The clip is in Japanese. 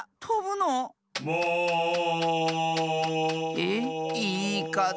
えっ⁉いいかぜ！